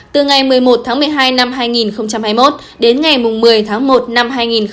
từ ngày một mươi một tháng một mươi hai năm hai nghìn hai mươi một đến ngày một mươi tháng một năm hai nghìn hai mươi